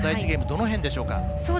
ゲームどの辺でしょうか。